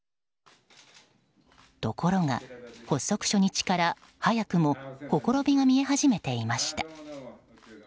ところが発足初日から早くもほころびが見え始めていました。